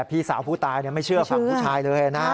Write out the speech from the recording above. พี่สาวผู้ตายไม่เชื่อฝั่งผู้ชายเลยนะ